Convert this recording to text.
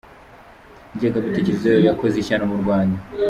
Ingengabitekerezo yayo yakoze ishyano mu Rwanda.